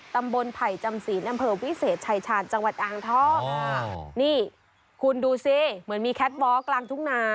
ไผ่จำศีลอำเภอวิเศษชายชาญจังหวัดอ่างทองนี่คุณดูสิเหมือนมีแคทวอล์กลางทุ่งนา